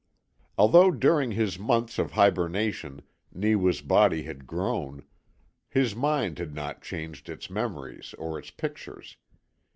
Although during his months of hibernation Neewa's body had grown, his mind had not changed its memories or its pictures.